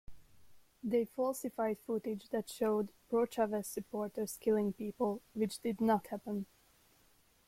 They falsified footage that showed pro-Chavez supporters killing people, which did not happen.